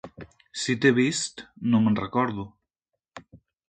Si t'he vist, no me'n recordo.